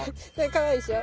かわいいでしょ。